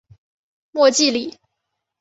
莫济里。